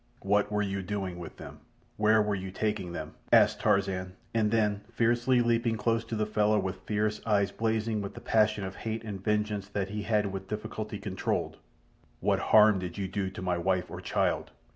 "What were you doing with them—where were you taking them?" asked Tarzan, and then fiercely, leaping close to the fellow with fierce eyes blazing with the passion of hate and vengeance that he had with difficulty controlled, "What harm did you do to my wife or child?